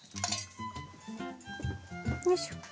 よいしょ。